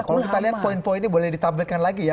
kalau kita lihat poin poinnya boleh ditampilkan lagi ya